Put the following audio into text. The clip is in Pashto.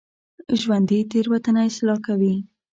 ژوندي تېروتنه اصلاح کوي